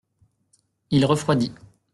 Il refroidit.